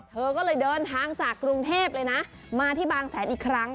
เธอก็เลยเดินทางจากกรุงเทพเลยนะมาที่บางแสนอีกครั้ง